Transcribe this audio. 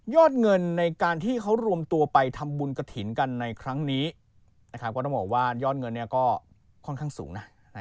ยอดเงินในการที่เขารวมตัวไปทำบุญกฐินกันในครั้งนี้คงค่อนข้างสูง